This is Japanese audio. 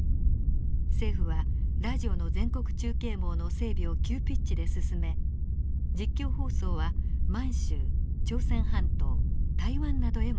政府はラジオの全国中継網の整備を急ピッチで進め実況放送は満州朝鮮半島台湾などへも伝えられました。